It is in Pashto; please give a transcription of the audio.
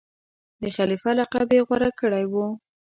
د خلیفه لقب یې غوره کړی وو.